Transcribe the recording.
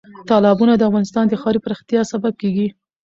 تالابونه د افغانستان د ښاري پراختیا سبب کېږي.